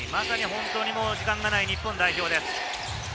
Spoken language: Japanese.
もう時間がない日本代表です。